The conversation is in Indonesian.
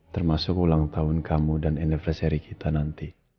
termasuk ulang tahun kamu dan universari kita nanti